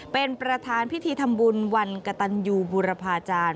เป็นประธานพิธีทำบุญวันกระตันยูบุรพาจารย์